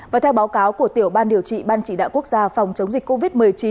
và theo báo cáo của tiểu ban điều trị ban chỉ đạo quốc gia phòng chống dịch covid một mươi chín